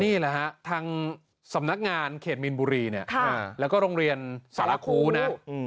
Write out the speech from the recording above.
นี่แหละฮะทางสำนักงานเขตมีนบุรีเนี่ยแล้วก็โรงเรียนสารคูนะ